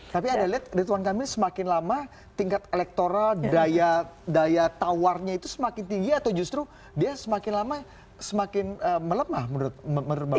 tapi anda lihat ridwan kamil semakin lama tingkat elektoral daya tawarnya itu semakin tinggi atau justru dia semakin lama semakin melemah menurut bang